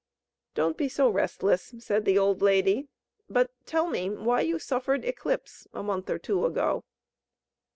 "Don't be so restless," said the old lady; "but tell me why you suffered eclipse a month or two ago."